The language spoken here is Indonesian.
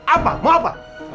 apa mau apa